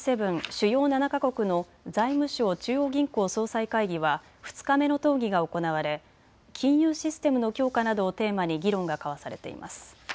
・主要７か国の財務相・中央銀行総裁会議は２日目の討議が行われ金融システムの強化などをテーマに議論が交わされています。